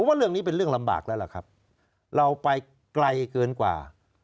ว่าเรื่องนี้เป็นเรื่องลำบากแล้วล่ะครับเราไปไกลเกินกว่า